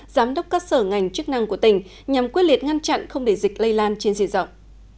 giám đốc các sở ngành chức năng của tỉnh nhằm quyết liệt ngăn chặn không để dịch lây lan trên diện rộng